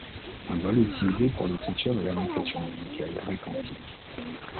Symboles utilisés pour l’écriture de la notation musicale grecque antique.